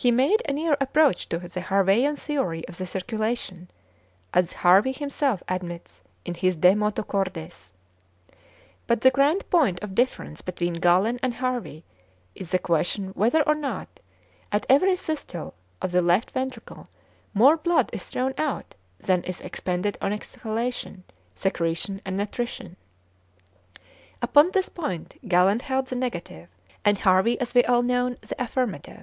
He made a near approach to the Harveian theory of the circulation, as Harvey himself admits in his "De Motu Cordis;" but the grand point of difference between Galen and Harvey is the question whether or not, at every systole of the left ventricle, more blood is thrown out than is expended on exhalation, secretion, and nutrition. Upon this point Galen held the negative, and Harvey, as we all know, the affirmative.